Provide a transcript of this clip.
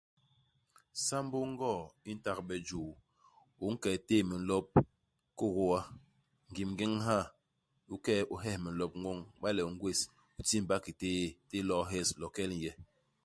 Sambô i ngoo i ntagbe juu. U nke u téé minlop kôkôa, ngim ngeñ ha, u ke'e u hes minlop ñwoñ. Iba le u ngwés, u tiimba ki téé, u témb u lo'o u hes ilo kel i nye.